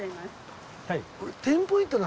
はい。